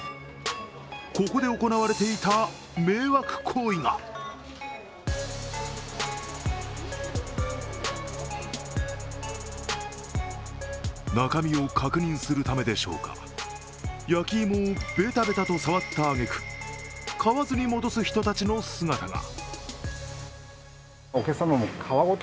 ここで行われていた迷惑行為が中身を確認するためでしょうか、焼き芋をベタベタと触ったあげく買わずに戻す人たちの姿が。